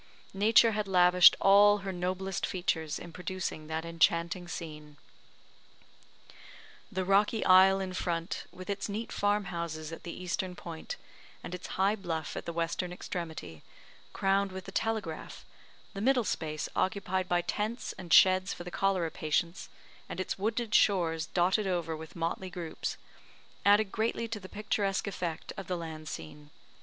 Nature had lavished all her noblest features in producing that enchanting scene. The rocky isle in front, with its neat farm houses at the eastern point, and its high bluff at the western extremity, crowned with the telegraph the middle space occupied by tents and sheds for the cholera patients, and its wooded shores dotted over with motley groups added greatly to the picturesque effect of the land scene.